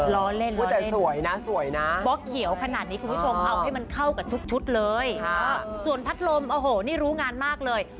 ล้อเล่นแต่สวยนะสวยนะบล็อกเขียวขนาดนี้คุณผู้ชมเอาให้มันเข้ากับทุกชุดเลยส่วนพัดลมโอ้โหนี่รู้งานมากเลย